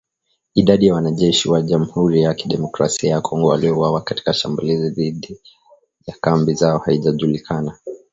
Idadi ya wanajeshi wa Jamhuri ya Kidemokrasia ya Kongo waliouawa katika shambulizi dhidi ya kambi zao haijajulikana